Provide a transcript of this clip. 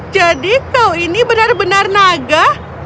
jadi kau ini benar benar naga